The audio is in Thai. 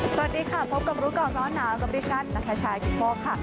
สวัสดีค่ะพบกับรู้ก่อนร้อนหนาวกับดิฉันนัทชายกิตโมกค่ะ